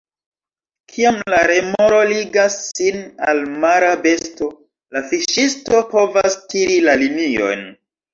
Kiam la remoro ligas sin al mara besto, la fiŝisto povas tiri la linion.